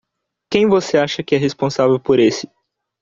Quem você acha que é responsável por esse?